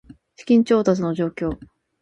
資金調達の状況